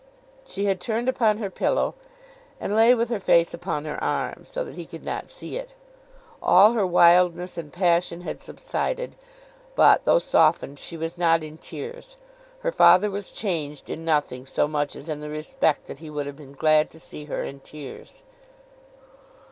She had turned upon her pillow, and lay with her face upon her arm, so that he could not see it. All her wildness and passion had subsided; but, though softened, she was not in tears. Her father was changed in nothing so much as in the respect that he would have been glad to see her in tears.